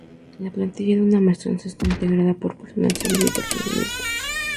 La plantilla de una Maestranza está integrada por personal civil y personal militar.